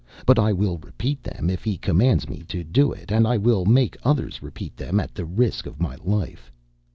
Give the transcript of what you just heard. But I will repeat them, if he commands me to do it; and I will make others repeat them at the risk of my life.